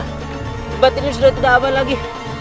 kebatin ini sudah tidak aman lagi